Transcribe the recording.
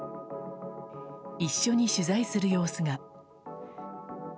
一緒に取材する様子が。